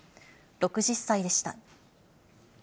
６０歳でした。